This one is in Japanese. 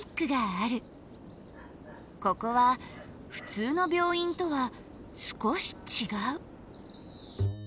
ここはふつうの病院とは少しちがう。